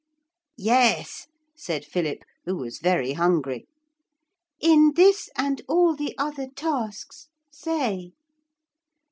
'Yes,' said Philip, who was very hungry. '"In this and all the other tasks" say.'